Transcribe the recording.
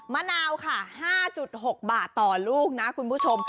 มะนาวค่ะ๕๖บาทต่อลูกนะคุณผู้ชม